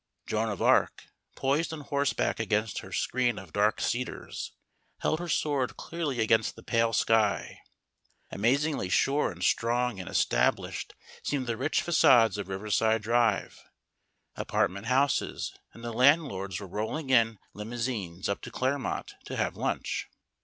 Joan of Arc, poised on horseback against her screen of dark cedars, held her sword clearly against the pale sky. Amazingly sure and strong and established seem the rich façades of Riverside Drive apartment houses, and the landlords were rolling in limousines up to Claremont to have lunch.